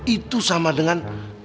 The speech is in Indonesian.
itu sama dengan